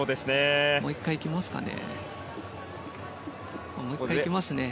もう１回行きますね。